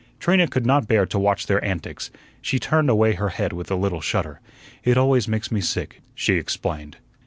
Trina could not bear to watch their antics. She turned away her head with a little shudder. "It always makes me sick," she explained.